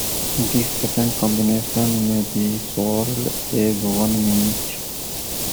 This second combination may be sold as one unit.